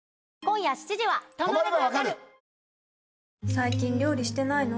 最近料理してないの？